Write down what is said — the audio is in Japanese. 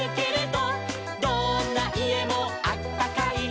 「どんないえもあったかい」